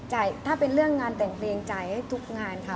ถ้าเป็นเรื่องงานแต่งเพลงจ่ายให้ทุกงานค่ะ